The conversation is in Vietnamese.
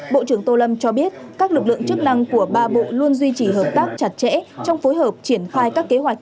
bộ trưởng tô lâm cho biết các lực lượng chức năng của ba bộ luôn duy trì hợp tác chặt chẽ trong phối hợp triển khai các kế hoạch